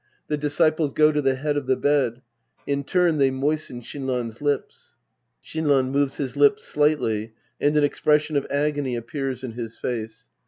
The disciples go to tlie head of the bed. In turn, they moisten Shinran's lips.) Shinran {moves his lips slightly and an expression of agony appears in his face.